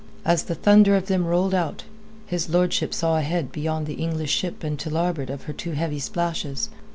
As the thunder of them rolled out, his lordship saw ahead beyond the English ship and to larboard of her two heavy splashes.